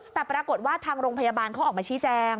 แต่ปรากฏว่าทางโรงพยาบาลเขาออกมาชี้แจง